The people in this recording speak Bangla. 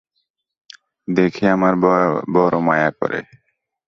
দেখে আমার বড়ো মায়া করে।